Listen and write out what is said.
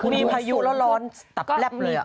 มีพายุร้อนตับแลบเลย